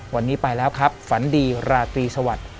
วันนี้ไปแล้วครับฝันดีราตรีสวัสดิ์